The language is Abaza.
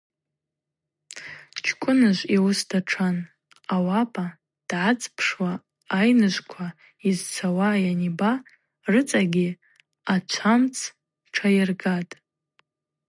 Чкӏвыныжв йуыс датшан: ауапӏа дгӏацӏпшуа айныжвква йызцауа йаниба, рыцӏагьи ачвамц тшайыргатӏ.